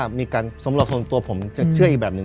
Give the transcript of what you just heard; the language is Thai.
สมมติว่าสมหรับคนตัวผมจะเชื่ออีกแบบหนึ่ง